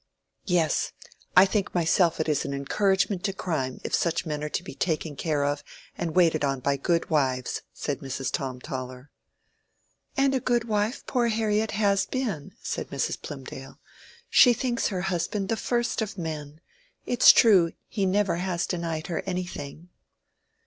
"Yes, I think myself it is an encouragement to crime if such men are to be taken care of and waited on by good wives," said Mrs. Tom Toller. "And a good wife poor Harriet has been," said Mrs. Plymdale. "She thinks her husband the first of men. It's true he has never denied her anything."